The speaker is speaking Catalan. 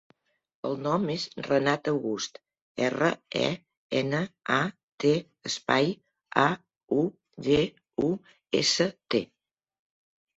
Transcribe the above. El nom és Renat August: erra, e, ena, a, te, espai, a, u, ge, u, essa, te.